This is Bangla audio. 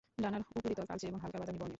ডানার উপরিতল কালচে এবং হালকা বাদামী বর্নের।